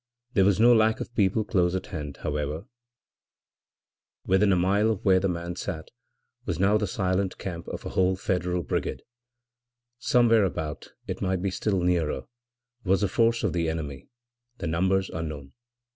There was no lack of people close at hand, however; within a mile of where the man sat was the now silent camp of a whole Federal brigade. Somewhere about it might be still nearer was a force of the enemy, the numbers unknown.